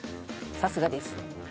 さすがです。